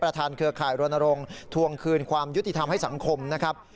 ประธานเครือข่ายโรนโรงทวงคืนความยุติธรรมให้สังคมนะครับ